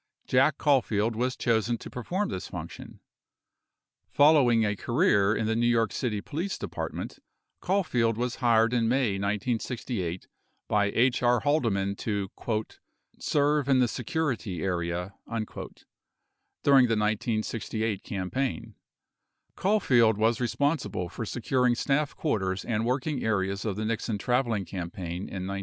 Jack Caulfield was chosen to perform this function. Following a career in the New York City Police Department, Caulfield was hired in May 1968 by H. R. Halde man to "serve in the security area," 1 during the 1968 campaign. Caul field was responsible for securing staff quarters and working areas of the Nixon traveling campaign in 1968.